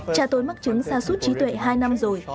cha tôi mắc trứng xa suốt trí tuệ hai năm rồi